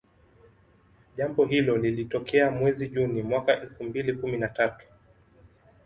Jambo hilo lilitokea mwezi juni mwaka elfu mbili kumi na tatau